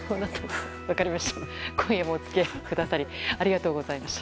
今夜もお付き合いくださりありがとうございました。